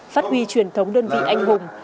phát huy truyền thống đơn vị anh hùng